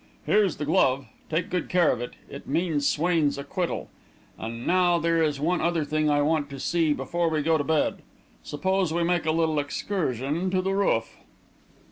Here's the glove take good care of it. It means Swain's acquittal. And now there is one other thing I want to see before we go to bed. Suppose we make a little excursion to the roof."